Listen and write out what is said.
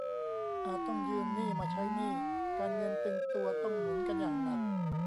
อาจต้องยืมหนี้มาใช้หนี้ การเงินตึงตัวต้องหมุนกันอย่างหนัก